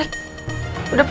jangan pula itu mba